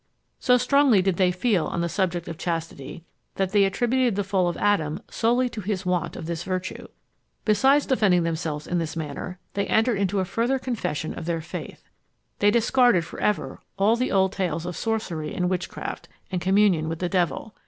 So strongly did they feel on the subject of chastity, that they attributed the fall of Adam solely to his want of this virtue. Besides defending themselves in this manner, they entered into a further confession of their faith. They discarded for ever all the old tales of sorcery and witchcraft, and communion with the devil.